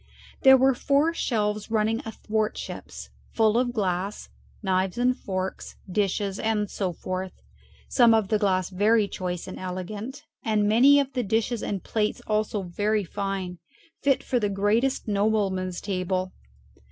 There were four shelves running athwartships full of glass, knives and forks, dishes, and so forth, some of the glass very choice and elegant, and many of the dishes and plates also very fine, fit for the greatest nobleman's table.